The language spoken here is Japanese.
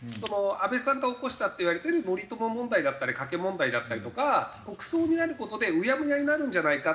安倍さんが起こしたっていわれてる森友問題だったり加計問題だったりとか国葬になる事でうやむやになるんじゃないか？